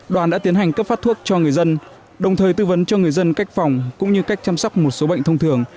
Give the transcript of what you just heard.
đoàn đã tiến hành cấp phát thuốc cho người dân đồng thời tư vấn cho người dân cách phòng cũng như cách chăm sóc một số bệnh thông thường